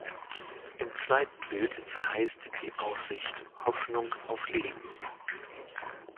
Im zweiten Bild verheißt die Aussicht Hoffnung auf Leben.